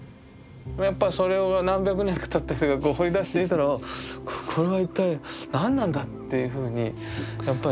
やっぱそれを何百年かたって掘り出してみたらこれは一体何なんだっていうふうにやっぱり。